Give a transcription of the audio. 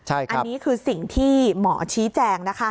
อันนี้คือสิ่งที่หมอชี้แจงนะคะ